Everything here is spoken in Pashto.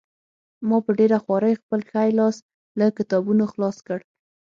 ما په ډېره خوارۍ خپل ښی لاس له کتابونو خلاص کړ